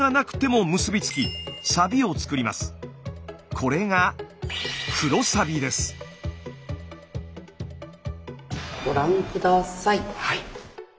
これがご覧下さい。